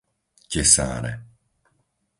Tesáre